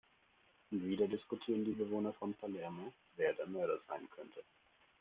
Und wieder diskutieren die Bewohner von Palermo, wer der Mörder sein könnte.